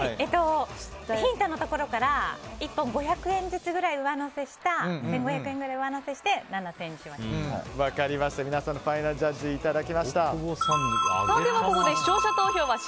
ヒントのところから１本５００円ずつくらい上乗せした１５００円ぐらい上乗せして皆さんのファイナルジャッジいただき！